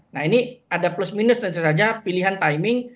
nah ini ada plus minus tentu saja pilihan timing